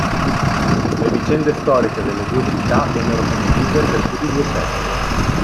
Le vicende storiche delle due città vennero condivise per più di due secoli.